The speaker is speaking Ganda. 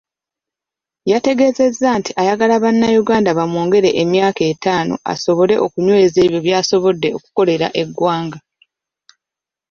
Yategeezezza nti ayagala Bannayuganda bamwongere emyaka etaano asobole okunyweza ebyo by'asobodde okukolera eggwanga.